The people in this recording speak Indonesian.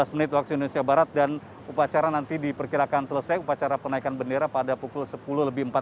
dua belas menit waktu indonesia barat dan upacara nanti diperkirakan selesai upacara penaikan bendera pada pukul sepuluh lebih empat puluh